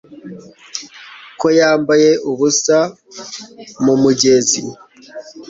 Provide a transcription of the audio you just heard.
koga yambaye ubusa mu mugezi